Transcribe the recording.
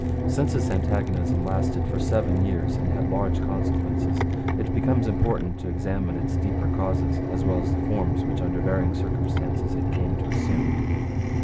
Since this antagonism lasted for seven years and had large consequences, it becomes important to examine its deeper causes as well as the forms which under varying circumstances it came to assume.